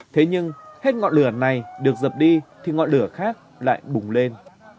thế nhưng hết ngọn lửa này được dập đi thì ngọn lửa khác lại bùng lên